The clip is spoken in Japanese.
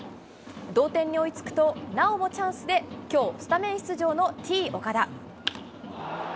同点に追いつくと、なおもチャンスで、きょう、スタメン出場のＴー岡田。